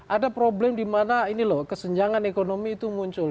ada problem dimana kesenjangan ekonomi itu muncul